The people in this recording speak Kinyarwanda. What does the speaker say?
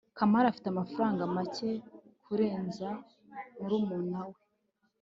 kamari afite amafaranga make kurenza murumuna we